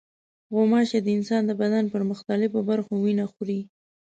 غوماشې د انسان د بدن پر مختلفو برخو وینه خوري.